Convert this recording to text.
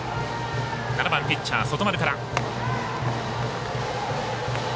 ７番ピッチャー、外丸から。